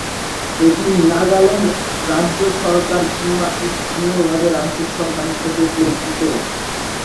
এটি নাগাল্যান্ড রাজ্য সরকার কিংবা স্থানীয়ভাবে রাজ্য সরকার হিসাবেও পরিচিত।